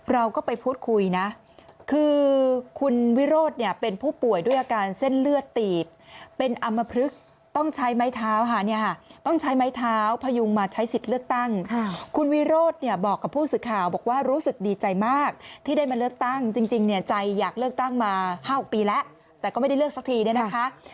เราก็ไปพูดคุยนะคือคุณวิโรธเนี่ยเป็นผู้ป่วยด้วยอาการเส้นเลือดตีบเป็นอำมพลึกต้องใช้ไม้เท้าค่ะเนี่ยค่ะต้องใช้ไม้เท้าพยุงมาใช้สิทธิ์เลือกตั้งคุณวิโรธเนี่ยบอกกับผู้สื่อข่าวบอกว่ารู้สึกดีใจมากที่ได้มาเลือกตั้งจริงเนี่ยใจอยากเลือกตั้งมา๕๖ปีแล้วแต่ก็ไม่ได้เลือกสักทีเนี่ยนะคะ